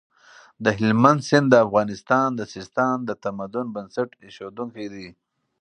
د هلمند سیند د افغانستان د سیستان د تمدن بنسټ اېښودونکی دی.